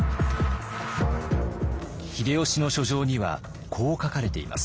秀吉の書状にはこう書かれています。